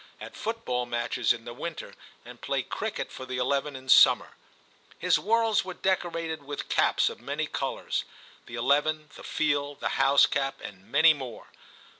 at football matches in the winter, and play cricket for the eleven in summer. His walls were decorated with caps of many colours — the eleven, the * Field,* the house cap, and many more.